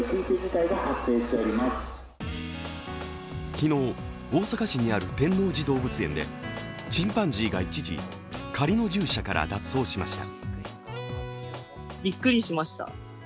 昨日、大阪市にある天王寺動物園でチンパンジーが一時、仮の獣舎から脱走しました。